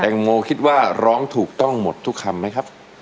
งโมคิดว่าร้องถูกต้องหมดทุกคำไหมครับ